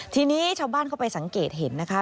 ทีนี้ชาวบ้านเข้าไปสังเกตเห็นนะคะ